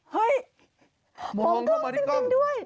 เฮ้ยมองกล้องจริงด้วย